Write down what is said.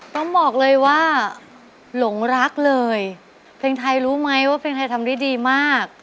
ต้องบอกเลยว่าหลงรักเลยเพลงไทยรู้ไหมว่าเพลงไทยทำได้ดีมาก